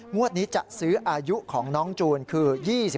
งวดนี้จะซื้ออายุของน้องจูนคือ๒๕